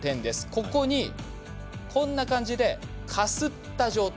ここに、こんな感じでかすった状態。